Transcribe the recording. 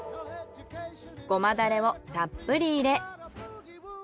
ごまダレをたっぷり入れ。